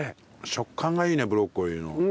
食感がいいねブロッコリーの。